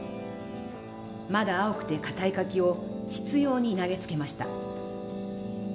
まだ青くてかたい柿を執ように投げつけました。